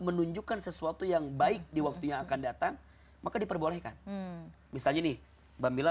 menunjukkan sesuatu yang baik diwaktunya akan datang maka diperbolehkan misalnya nih bambila